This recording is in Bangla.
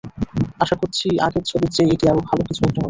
আশা করছি, আগের ছবির চেয়ে এটি আরও ভালো কিছু একটা হবে।